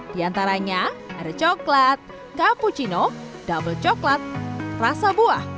di antaranya ada coklat cappuccino double coklat rasa buah